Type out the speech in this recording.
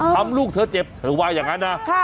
อ่อทำลูกเธอเจ็บถ้าเธอว่าอย่างนั้น